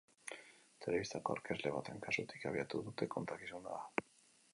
Telebistako aurkezle baten kasutik abiatu dute kontakizuna.